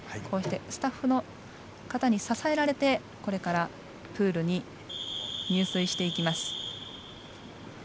スタッフの方に支えられてこれからプールに入水していきます。